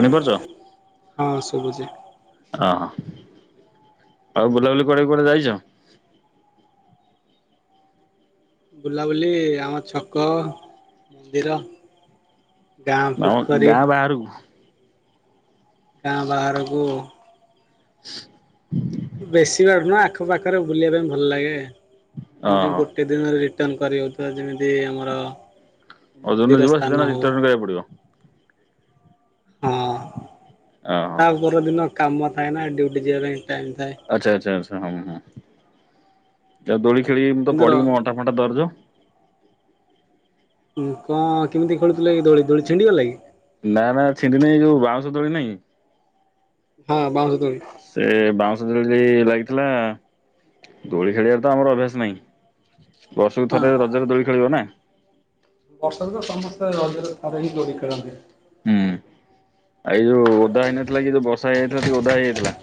ଜାଣିପାରୁଛ [inaudible] ହଁ ଶୁଭୁଛି ହଁ ହଁ। ଆଉ ବୁଲାବୁଲି କୁଆଡେକୁ କୁଆଡେ ଯାଇଛ? ବୁଲାବୁଲି ଆମ ଛକ ମନ୍ଦିର। ଗାଁ ନାଁ ପୋଖରୀ ଗାଁ ବାହାରକୁ? ଗାଁ ବାହାରକୁ ହଁ ବେଶୀ ବାଡୁ ନ ଆଖ ପାାଖରେ ବୁଲିବା ପାଇଁ ଭଲ ଲାଗେ ଏମିତି ଓହୋ ଗୋଟେ ଦିନରେ ରଟଣ କରି ହେଉଥିବା ଯେମିତି ଆମର ଆଉ ଯଦି ନ ମନ୍ଦିର ଯିବ ସ୍ଥାନ ସେଦିନ ହଉ କରିବାକୁ ପଡିବ ହୁଁ ଓହୋ। ତା ପର ଦିନ କାମ ଥାଏ ନା ଡ୍ୟୁଟି ଯିବା ପାଇଁ ଟାଇମ ଥାଏ। ଆଚ୍ଛା ଆଚ୍ଛା ହଁ ହଁ ଯ ଦୋଳି ଖେଳି ମୁଁ ତ କିନ୍ତୁ ର ପଡିବି ମ ଅଣ୍ା ଫଣ୍ଟା ଦରଜ ହଁ କଣ କେମିତି ଖେଳୁଥିଲେ କି ଦୋଳି ଦୋଳି ଛିଣ୍ଡିଗଲା କି ନା ନା ଛିଣ୍ଡି ନାହିଁ ଯୋଉ ବାଉଁଶ ଦୋଳି ନାହିଁ ହଁ ବାଉଁଶତରୀ ସେ ବାଉଁଶ ଦୋଳି ଲାଗିଥିଲା ଦୋଳି ଖେଳିବାର ତ ଆମର ଅଭ୍ୟାସ ନାହିଁ ବର୍ଷକୁ ଥରେ ରଜରେ ଦୋଳି ଖେଳିବ ନା ବର୍ଷା ଦ ତ ସମସ୍ୟାଜ ହିଁ ପରୀକ୍ଷାନ୍ତି ହୁଁ ଆଉ ଏଇ ଯୋଉ ଓଦା ହେଇନଥିଲା କି ଯୋଉ ବର୍ଷା ହେଇଯାଇଥିଲା ଟିକେ ଓଦା ହେଇଯାଇଥିଲା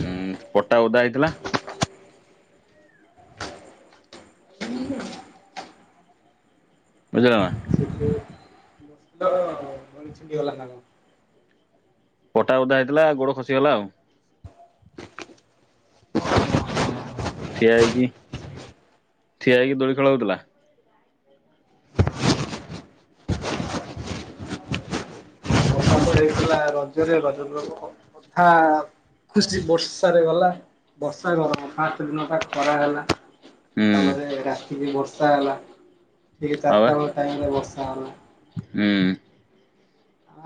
ଉଁ ପଟା ଓଦା ହେଇଥିଲା ବୁଝିଲାମ ହେ ନାଁ ପଟା ବଦା ହେଇଥିଲା ଗୋଡ ଖସିଗଲା ଆଉ ଠିଆ ହେଇକି ଠିଆ ହେଇକି ଦୋଳି ଖେଳ ହଉଥିଲା ବର୍ଷା ତ ହେଇଥିଲା ରଜରେ ରଜ କଥା ଖୁସି ବର୍ଷାରେ ଗଲା ବର୍ଷା ଗରମ ପାାତ ଦିନ ତା ଖରା ହେଲା ହୁଁ ଆମରଟ କି ବି ବର୍ଷା ହେଲା ଠିକେ ଆଉ ଚାରଟ ବା ବଳେ ଟାଇମରେ ବସି ହ ହୁଁ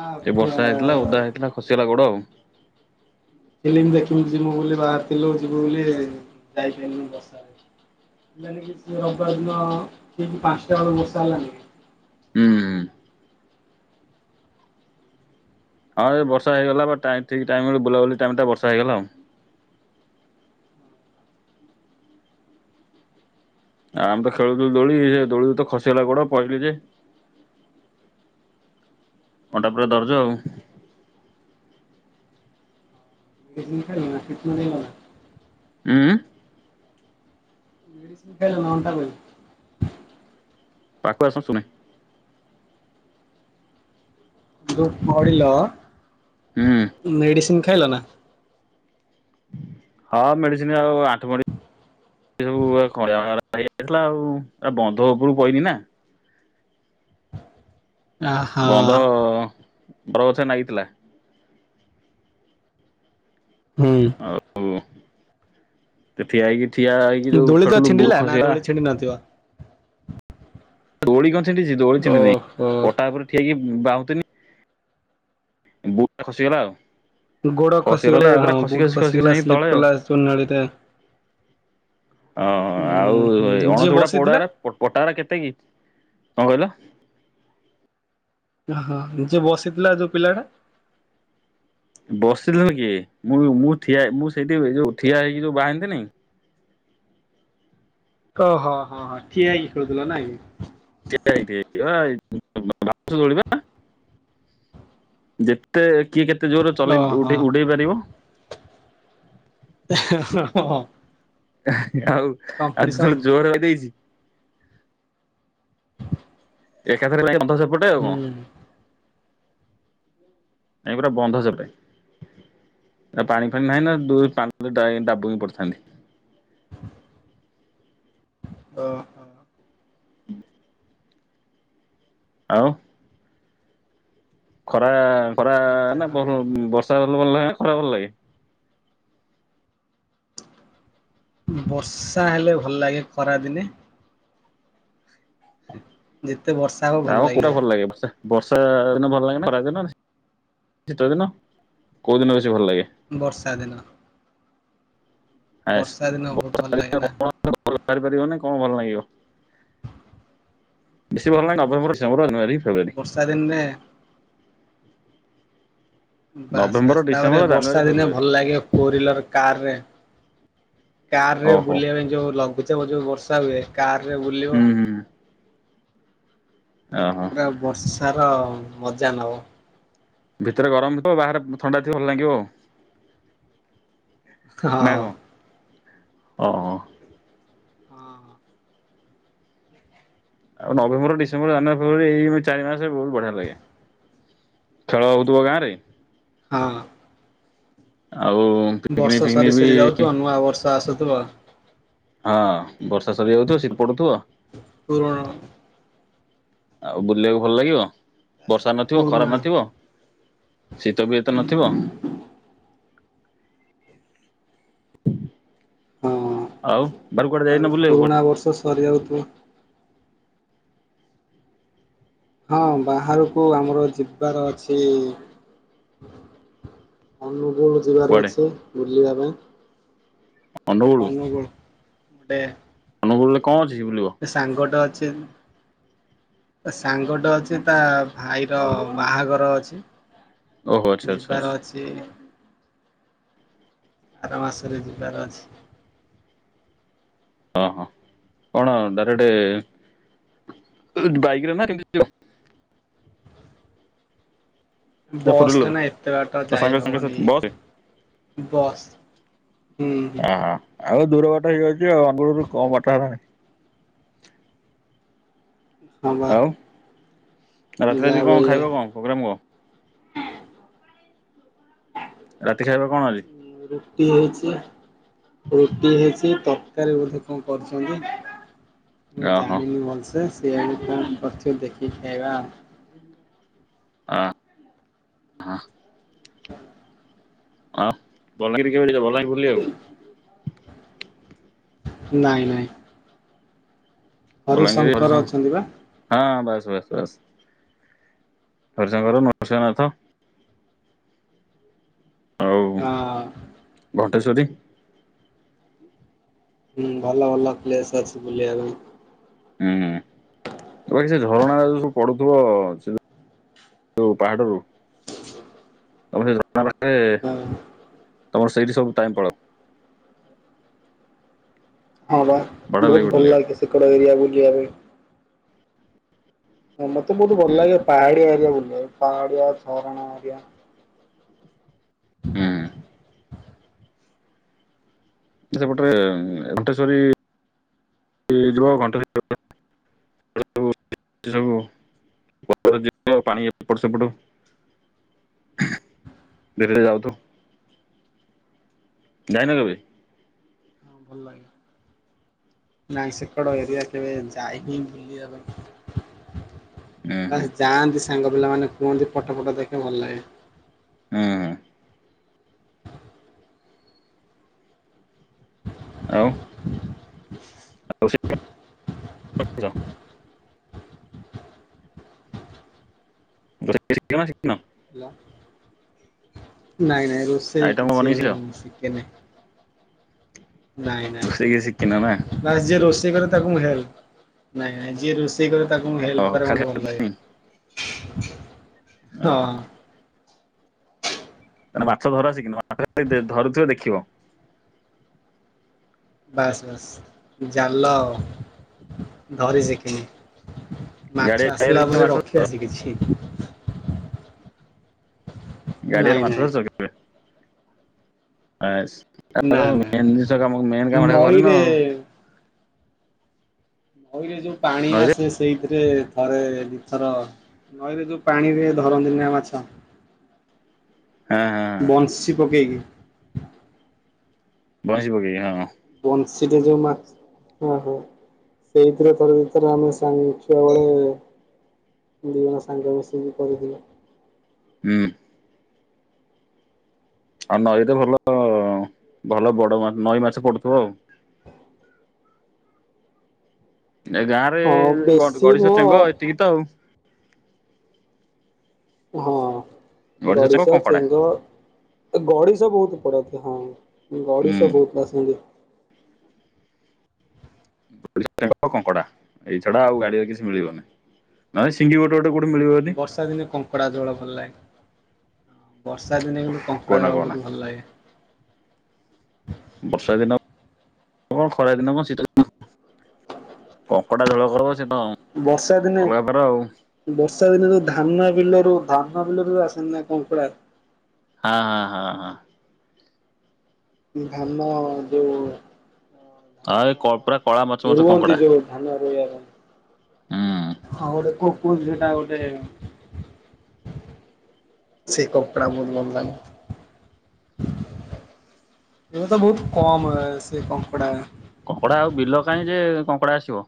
ଆ ଏ ବର୍ଷା ହେଇଥିଲା ଓଦା ହେଇଥିଲା ଖସିଗଲା ଗୋଡ ଆଉ ଫମ ଦେଖିବି ଯିବୁ ବୋଲି ବାଲ ଯିବୁ ବୋଲି ଯାଇପାରିଲି ବର୍ଷାରୋନ କି ରବିବାର ଦିନ ଠ ପାଞ୍ଚଟା ବେଳକୁ ବର୍ଷା ହେଲାନି ହୁଁ ହୁଁ ହଁ ଏ ବର୍ଷା ହେଇଗଲା ବା ଠିକ ଟାଇମ ବୁଲାବୁଲି ଟାଇମ ଟା ବର୍ଷା ହେଇଗଲା ଆଉ ଆ ଆମେ ତ ଖେଳୁଥିଲୁ ଦୋଳି ସେ ଦୋଳି ତ ଖସିଗଲା କୋଡ ପହିଲି ଯେ କଣ୍ଟା ପୁରା ଦରଜ ଆଉ ଖତ ଦେଲା ହଁ ଲ ଖ ନଟା ପାଖକୁ ଆସ ଶୁଣେ ୁ ପଡ଼ିଲ ହୁଁ ମେଡିସି ଖାଇଲନା, ହଁ ମେଡିସିନ ଆଉ ଖ [inaudible] ାଇଥିଲା ଆଉ ଏ ବନ୍ଧ ଉପରୁକୁ କହିହନି ନା ଆହା ବନ୍ଦ ବରଗଛ ନାଗିଥିଲା। ହହୁଁ ତ ଠି ଆଇକି ଦୋଳି ତ ଛିଣ୍ଡିଲା ନା ଦୋଳି ଛିଡି ନଥିବ। ଦୋଳି କ ଣ୍ଡିଛି ଦୋଳି ଣ୍ଡି ନାହିଁ ଓହୋ ପଟା ଉପରେ ଠଆହେଇକି ଁ ବାହୁତିନି ବୁଟ ଖସିଗଲା ଆଉ। ଗୋଡ ଖସିଗଲା ଯେ ପୁରା ହଁ ଖସି ବୁଟ ଖସି ଖସି ଖସିଗଲା ଖସି ଯାଇକି ସ୍ଲିପ ତଳେ ଆଉ କଲା ଚୂନାଳିରେ। ଉଁ ଅହ ଆଉ ହୁଁ ଯିଏ ଅଣଚୁଡା ପୋଡା ବସିଥିଲା ପଟା କେତେ କି। କଣ କହିଲ? ହଁ ଯିଏ ବସିଥିଲା ଯୋଉ ପିଲା ଟା। ବସିଥିଲ କିଏ ମୁଁ ମୁଁ ମୁଁ ସେଇଠି ଯୋଉ ଠିଆ ହେଇକି ଯୋଉ ବାହାନ୍ତିନି, ଓ ହଁ ହଁ ହଁଠିଆହେଇକି ଖେଳୁଥିଲଥିଲା ନାଇଁ। ଳିବା ଯେତେ [inaudible] କିଏ କେତେ ଜୋରରେ ଉଡେଇ ପାରିବ। ଓହୋ ହ [inaudible] ଆଉ ଆଉ ଯେତେ କମ୍ପିଟିସନ ବେଳେ ଜୋରରେ ବାହି ଦେଇଛି, ଏକାଥରେ [inaudible] ହୁଁ ଏ ପୁରା ବନ୍ଧ ସେଟେ ପାଣି ଫାଣି ନାହିଁ ନା ଦୁ ପା ଡାବୁ ହି ପଡିଥାନ୍ତି। ହ [inaudible] ହ ହ ହଁ [inaudible] ଆଉ, ଖରା ଆ ଖରା ନା ଯାହା ଭ ହଉ ବର୍ଷା ହେଲେ ଭଲ ଖ ଭଲ ଲାଗେ ବର୍ଷା ହେଲେ ଭଲ ଲାଗେ ଖରାଦିନେ। ଯେତେ ବର୍ଷା ହବ ଭଲ ଆମ କୋଉଟା ଲାଗିବ ଲାଗେ ବର୍ଷା ବର୍ଷା ଦିନ ଭଲ ଲାଗେନ ଖରା ଦିନ ଶୀତ ଦିନ କୋଉ ଦିନ ବେଶୀ ଭଲ ଲାଗେ। ବର୍ଷା ଦିନ। ହାଏସ୍ ବର୍ଷା ଦିନେ ବହୁତ ଭଲ ଲାଗେ ନା ପାରିବନି କଣ ଭଲ ଲାଗିବ ବେଶୀ ଭଲ ଲାଗେ ନଭେମ୍ବର ଡିସେମ୍ବର ଜାନୁୟାରୀ? ବର୍ଷା ଦିନରେ ବାସ ନଭେମ୍ବର ରାସ୍ତା ପରେ ଡିସେମ୍ବର ଜାନୁଆରୀ ବର୍ଷା ଦିନେ ଫେବୃଆାରୀ ଭଲ ଲାଗେ ଫୋର୍ ହିଲର କାରରେ କାର ରେ ଓହୋ ବୁଲିବା ପାଇଁ ଯୋଉ ଲଗୁ ଯଉ ବର୍ଷା ହୁଏ କା। ଆରେ ବୁଲିବ। ହୁଁ ହୁଁ ଓହୋ ପୁରା ବର୍ଷ ସାର ମଜା ନେବ ଭିତରେ ଗରମଥିବ। ବାହାରେ ଥଣ୍ଡା ଥିବ। ଭଲ ଲାଗିବ ଆଉ ହଁ। ହଁ। ହଁ। ଆଉ ନଭେମ୍ବର ଡିସେମ୍ବର ଜାନୁଆରୀ ଫେବୃଆରୀ ଏଇ ଚାରି ମାସରେ ବହୁତ ବଢିଆ ଲାଗେ ଖେଳ ହଉଥିବ ଗାଁ ରେ ହଁ। ଆଉ ପିକନିକ ବର୍ଷ ଫିକନିକ ସରି ବି ସାରି ଯାଉଥିବ ନୂଆ ବର୍ଷ ସ ସତ ହଁ ବର୍ଷା ସରି ଯାଉଥିବ ଶ ପଡୁଥିବ ପୁର୍ଣ। ଆଉ ବୁଲିବାକୁ ଭଲ ଲାଗିବ ବର୍ଷା ନଥିବ ଖରା ପୁରୁଣା ନଥିବ ଶୀତ ବିଏତ ନଥିବ। ହଁ ଆଉ ବାର କୁଆଡେ ଯାଇନ ବୁଲିବା କୁଆଡେ ସଉଦ ହଁ ବାହାରକୁ ଆମର ଯିବାର ଅଛି ଅନ ସବୁଳୁ ଯିବାର କୁଆଡେ ଅଛି ବୁଲିବା ପାଇଁ ଅନୁଗୁଳୁ ଅନୁଗୁଳ। [unintelligible] ଗୁଲୁ ରେ କଂ ଅଛି? ବୁଲିବ ଏ ସାଙ୍ଗଟ ଅଛି। ତା ସାଙ୍ଗଟେ ଅଛି ତା ଭାଇର ବାହାଘର ଅଛି। ଓହୋ ଆଚ୍ଛା ଆଚ୍ଛା ଆଛା। ବାର ମାସରେ ଯିବାର ଅଛି। ହ ହଁ କଣ ଡାଇକ୍ଟ ବାଇରେ ନା କେମତି ଯ ଫୋର ବସ ରେ ହ୍ୱିଲର ନା ଏତେ ବାରଟା ନା ସାଙ୍ଗ ଯାଇହବନି ସାଙ୍ଗସାଥି ବସ୍ ରେ ବସ୍ ହୁଁ ହଁ ଓହୋ ଆଉ ଦୂର ବାଟ ହେଇଯାଉଛି ଆଉ ଅନଗରୁ କମ ବାଟ ହେଲାଣି? ହଁ ବା ଆଉ ରାତିରେ ଯାହା ଯଦି ବି କଣ ହେଲେ ଖାଇବ କଣ ପ୍ରୋଗ୍ରାମ କହ? ହ ରାତି ଖାଇବା କଣ ଅଛି। ରୁଟି ହେଇଛି ରୁଟି ହେଇଛି ତରକାରୀ ବୋଧେ କଣ କରୁଛନ୍ତି। ମୁଁ ଓହୋ ଜାଣିନି ଭଲସେ ସିଆଡ କଣ କରଛୁ ଦେଖିକି ଖାଇବା ଆ ହ ହ ହଁ ବଲଙ୍ଗ ଭୁଲି ଆଉ ନାଇଁ ନାଇଁ ବଲାଙ୍ଗୀର ହରିଶଙ୍କର ହରିଶଙ୍କ ଅଛନ୍ତି ବା ହଁ ବାସ୍ ହରିଶଂଙ୍କର ନରସିଂହନାଥ। ହଁ ସରସ୍ୱତୀ ହୁଁ ଭଲ ଭଲ ପ୍ଲେସ ଅଛି ବୁଲିବାମ ହୁଁ ବାକି ସେ ଝରଣା ଯୋଉ ସବୁ ପଡୁଥିବ ସେ ଯୋଉ ପାହାଡରୁ ଆମ ସେ ନରେ ପାଇଁ ହଁ ତମର ସେଇଠି ସବୁ ଟାଇମ ପଡ ହଁ ବା ବଢିଆ ଲାଗିବ ବହୁତ ଭଲ ବୁଲିବାକୁ ଲାଗ ସେଡ ଏରିଆ ବୁଲିବା ପାଇଁ ହ ମତେ ବହୁତ ଭଲ ଲାଗେ ପାହାଡି ବେ ପାଡ଼ଆ ରଣ ଆ ହୁଁ [inaudible] ସେପଟରେ ଭଟେଶ୍ରୀ ଣ୍ଟ ପାଣି ଏପଟ ସେପଟ ଧୀରେ ଧୀରେ ଯାଉଥ ଯାଇନା କେବେ ହଁ ଭଲ ଲାଗେ ନାସକଡ ଏରିଆ କେବେ ଯାଏ ହିଁ ଭୁଲି ପାଇଁ ହୁଁ ହୁଁ ବସ ଯାଆନ୍ତି। ସାଙ୍ଗ ପିଲାମାନେ କୁହନ୍ତି ପଟ ଫଟ ଦେଖେ ଭଲ ଲାଗେ ହଁ ହ ଆଉ ଆଉ ବ ସିଖ ହେଲା ନାଇଁ ନାଇଁ ରୋଷେଇ କିଛି ବନେଇ ଶିଖିଛ ମୁଁ ଶିଖେ ନାହିଁ। ନାଇଁ ରୋଷେଇ କିଛି ଶିଖିନ ନା ନାଇଁ ବାସ ଯେ ରୋଷ [unintelligible] ତାକୁ ମୁ ହେଲ୍ପ ଓହୋ କରିବା ଖାଲି ଓହୋ ଭଲ ଲ [inaudible] ହଁ ତାେଲେ ମାଛ ଧରାସ କିୁ ମାଛ ଧରୁଥିବେ ଦେଖିବ ବାସ୍ ବାସ୍ ଜାଲ ଆ ଧରିଛି କିିନି ମାଛ ଗାଡିଆ ଗାଡିଆରେ ଆସିଲା କେବେ ପରେ ମାଛ ଧରିଛ ରଖି ଆସି କିଛି ଗାଡିଆରେ ନାଇଁ ମାଛ ନାଇଁ ଆସ୍। ନା ନା ନା ଟା କରିନ ନଈରେ ଆଉ ହଉ ଯ ପାଣି ନଈରେ ଆସେ ସେଇଥି ଥରେ ଦ ଥର ନଈରେ ଯୋଉ ପାଣିରେ ଧରନ୍ତିନ ମାଛ ହଁ ହଁ ବଂଶୀ ପକେଇକି ବଢିବ କି ହଁ ବଂଶଟ ଯୋଉ ମାଛ ହୋ ସେଇଥିରେ ଥରେ ଦଥର ଆମେ ସାଙ୍ଗ ଛୁଆ ବେଳେ ଦିଗ ସାଙ୍ଗ ମିଶିକି କରିଦିବ ହଁ ଆଉ ନଈ ତ ଭଲ ଭଲ ବଡ ନଈ ମାଛ ପଡୁଥିବ ଆଉ ଏ ଗାଁ ରେ ହଁ ବେଶୀ ଗଡିଶ ଚେଙ୍ଗ ନୁହଁ ଏତିକି ତ ଆଉ ହଁ ଗଡିଶ ଚେଙ୍ଗ ଗଡିସ ବହୁତ ପଡ଼ା ହଁ ହୁଁ। ଗଡିଶ ବହୁତ ପସନ୍ଦ କଙ୍କଡା ଏଇ ଛଡା ଆଉ ଗାଡିରେ କିଛି ମିଳିବନି ନ ସିଙ୍ଗି ଗୋଟେ କୋଉଠି ମିଳିବ ଯଦି ବର୍ଷା ଦିନେ କଙ୍କଡା ଜଳ ଭଲ ଲାଗେ ହଁ ବର୍ଷା ଦିନେ କିନ୍ତୁ କଙ୍କଡା କହନା ଝୋଳ କହନା ବହୁତ ଭଲ ଲାଗେ ବର୍ଷା ଦିନ କଣ ଖରା ଦିନ କଣ ଶୀତିନ କଙ୍କଟା ଝୋଳ କର ବର୍ଷା ଦିନେ ବର୍ଷ ବର୍ଷା ଦିନେ ତ ଧାନ ବିଲରୁ ଧାନ ବିଲରେ ଆସନି ନା କଙ୍କଡା ହଁ ହଁ ହଁ ହଁ ଧାନ ଯୋଉ ଆ ଧାନ କ ରୁଅନ୍ତି ଯେଉ ଧାନ ରୋୟା ପାଇଁ। ହୁଁ। ହଁ ଗୋଟେ କକୁ ସେଟା ଗୋଟେ ସେ କଙ୍କଡା ବହୁତ ଭଲ ଲାଗେ ଏଟ ତ ବହୁତ କମ ସେ କଙ୍କଡ କଙ୍କଡା ଆଉ ବିଲ କାହିଁ ଯେ କଙ୍କଡା ଆସିବ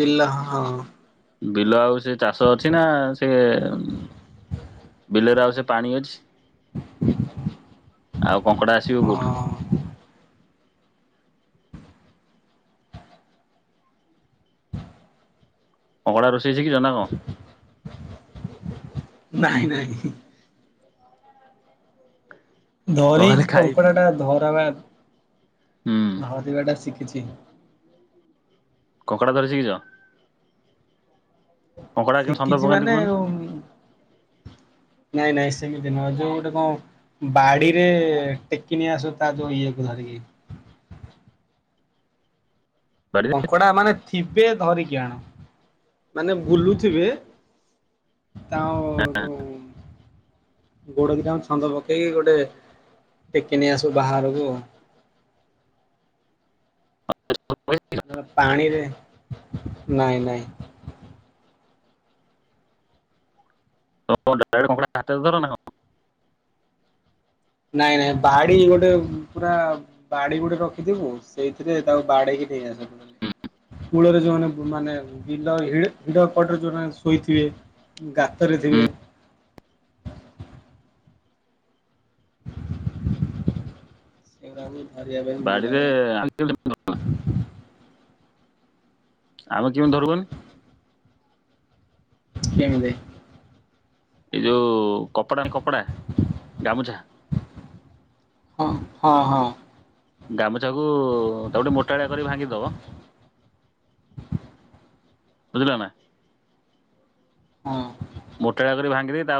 ବିଲ ହଁ ବିଲ ଆଉ ସେ ଚାଷ ଅଛି ନା ସେ ବିଲରେ ଆଉ ସେ ପାଣି ଅଛି [unintelligible] ଆଉ କଙ୍କଡ଼ା ଆସିବ କେଉଠୁ ହଁ। କଙ୍କଡା ରୋ ସେଇ ସେ କି ଜଣା କ ନାଇଁ ନାଇଁ ଧରି ନହେଲେ ଖାଇ କଙ୍କଡା ଟା ଧ ହୁଁ [unintelligible] ଭାବିବାଟା ଶି କିଚି କଙ୍କଡା ଧରି ଶିଖିଚ? କେମିତି ଛନ୍ଦ ଶିଖିଛି ପକାନ୍ତି ମାନେ କୁହନି? ନାଇଁ ନାଇଁ ସେମିତି ନୁହଁ ଯୋଉ ଗୋଟେ କଣ ବାଡିରେ ଟେକିନେଇ ଆସୁ ତା ଯୋଉ ଇଏ କୁ ଧରିକି। କଙ୍କଡା ମାନେ ଥିବେ ଧରିକି ଆଣ ମାନେ ବୁଲୁଥିବେ ତାଅ ଯୋଉ ଗୋଡ ଦିଇଟାଙ୍କ ଛନ୍ଦ ପକେଇକି ଗୋଟେ ଟେକି ନେଇ ଆସୁ ବାହାରକୁ [unintelligible] ପାଣିରେ ନାଇଁ ନାଇଁ ତ ଡାଇରେକ୍ଟ କଙ୍କଡ଼ା ହାତରେ ଧର ନା କଣ? ନାଇଁ ନାଇଁ ବାଡି ଗୋଟେ ପୁରା ବାଡି ଗୋଟେ ରଖିଥିବୁ ସେଇଥିରେ ତାକୁ ବାଡେଇକି ନେଇ ଆସୁ କୂଳରେ ଯୋଉମାନେ ମାନେ ବିଲ ହି ହିଡ କଡ଼ରେ ଯୋଉରା ଶୋଇଥିବେ ଗାତରେ ଥିବେ। [unintelligible] ଭଲ ବାଡ଼ିରେ ଲାଗେ। [unintelligible] ଆମେ କେମିତି ଧରୁ କହନି। କେମିତି? ଏଇ ଯୋଉ କପଡା କପଡା ଗାମୁଛା ହଁ ହଁ ହଁ ଗାମୁ ତାକୁ ଟିକେ ମୋଟାଳିଆ କରି ଭାଙ୍ଗିଦବ ବୁଝିଲନା ହଁ। ମୋଟାଟା କରି ଭାଙ୍ଗିଦେଇ ତାପରେ